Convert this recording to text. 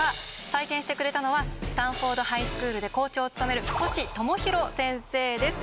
採点してくれたのはスタンフォードハイスクールで校長を務める星友啓先生です。